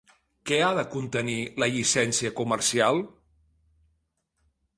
Què ha de contenir la Llicència Comercial?